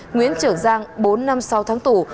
nguyễn trường giang bốn năm sau tháng tù